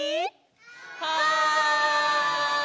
はい！